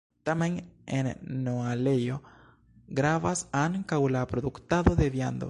Tamen en Noalejo gravas ankaŭ la produktado de viando.